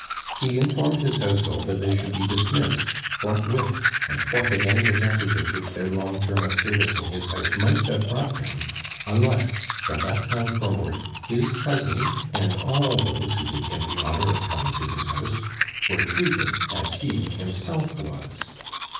He informed his household that they should be dismissed forthwith, and forfeit any advantages which their long term of service in his house might have brought them, unless from that time forward his cousin and all those who did him the honor of coming to his house were treated as he himself was.